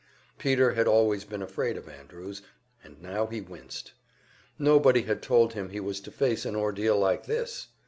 Peter had always been afraid of Andrews, and now he winced. Nobody had told him he was to face an ordeal like this!